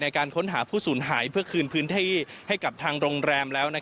การค้นหาผู้สูญหายเพื่อคืนพื้นที่ให้กับทางโรงแรมแล้ว